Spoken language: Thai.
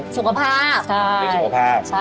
สุขภาพ